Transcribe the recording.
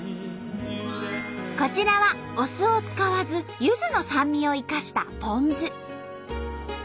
こちらはお酢を使わずゆずの酸味を生かしたポン酢。